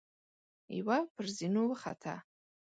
يوه پر زينو وخته.